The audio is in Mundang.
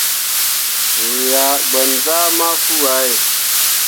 Ru yah gbanzah mafuu ah ye.